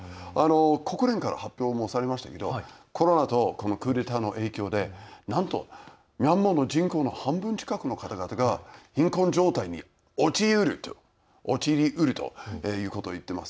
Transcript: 国連から発表もされましたがコロナとクーデターの影響でなんとミャンマーの人口の半分近くの方々が貧困状態に陥りうるということを言っています。